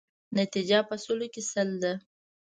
نتیجه په سلو کې سل ده.